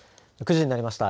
９時になりました。